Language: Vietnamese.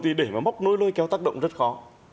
thì để mà móc nối lôi kéo tác động rất khó